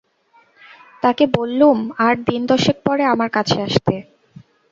তাকে বললুম আর দিন-দশেক পরে আমার কাছে আসতে।